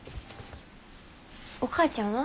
お母ちゃんは？